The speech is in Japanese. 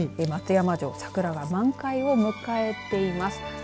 松山城、桜が満開を迎えています。